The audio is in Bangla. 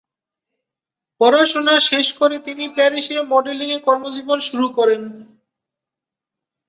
পড়াশোনা শেষ করে তিনি প্যারিসে মডেলিংয়ে কর্মজীবন শুরু করেন।